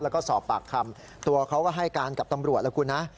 แล้วก็สอบปากคำตัวเขาก็ให้การกับตำรวจแล้วคุณนะ